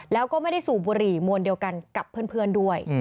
แล้วก็ไม่ได้สูบบุหรี่มวลเดียวกันกับเพื่อนด้วย